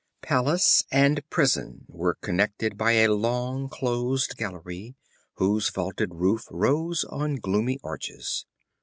Palace and prison were connected by a long closed gallery, whose vaulted roof rose on gloomy arches.